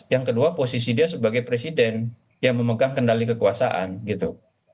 yang kedua posisi dia sebagai presiden yang memegang kendali kekuasaan gitu